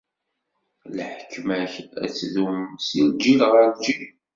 Lḥekma-k ad tdum si lǧil ɣer lǧil.